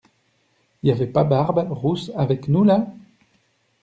Y avait pas barbe rousse avec nous là?